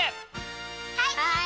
はい！